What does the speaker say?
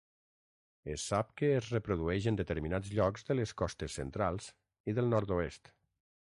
Es sap que es reprodueix en determinats llocs de les costes centrals i del nord-oest.